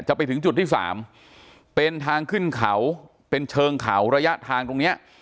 ไปถึงจุดที่สามเป็นทางขึ้นเขาเป็นเชิงเขาระยะทางตรงเนี้ย